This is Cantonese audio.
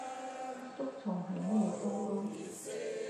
竹蟲係乜嘢東東？